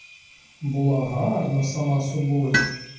Була гарна сама собою.